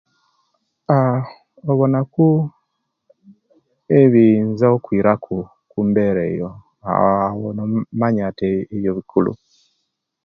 Aah obonaku ebiyiza okwiraku ku kumbera eyo awo nomanya nti ebyo bikulu